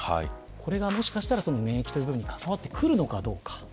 これが、もしかしたら免疫と関わってくるのかどうか。